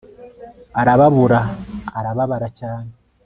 Arababura ara babara cyane